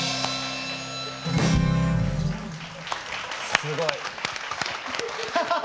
すごい。